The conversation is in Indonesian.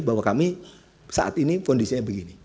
bahwa kami saat ini kondisinya begini